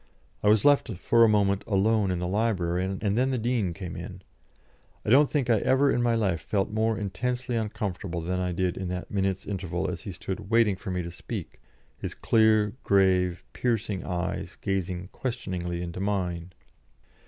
I was left for a moment alone in the library, and then the Dean came in. I don't think I ever in my life felt more intensely uncomfortable than I did in that minute's interval as he stood waiting for me to speak, his clear, grave, piercing eyes gazing questioningly into mine.